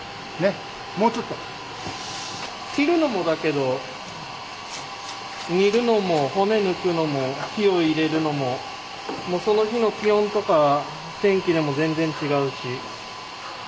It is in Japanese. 切るのもだけど煮るのも骨抜くのも火を入れるのももうその日の気温とか天気でも全然違うしもう一生勉強ですけど。